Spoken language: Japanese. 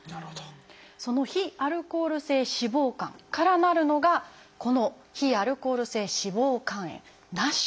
その「非アルコール性脂肪肝」からなるのがこの「非アルコール性脂肪肝炎」「ＮＡＳＨ」。